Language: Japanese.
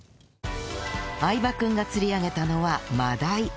相葉君が釣り上げたのはマダイ